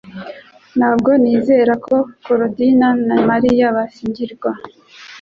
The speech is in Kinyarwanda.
Ntabwo nizera ko Korodina na Mariya bashyingirwa